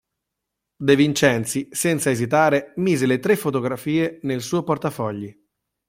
De Vincenzi, senza esitare, mise le tre fotografie nel suo portafogli.